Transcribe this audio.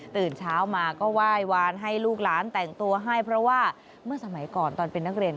ตื่นเช้ามาก็ไหว้วานให้ลูกหลานแต่งตัวให้เพราะว่าเมื่อสมัยก่อนตอนเป็นนักเรียน